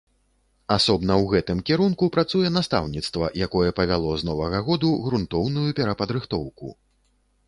Асобна ў гэтым кірунку працуе настаўніцтва, якое павяло з новага году грунтоўную перападрыхтоўку.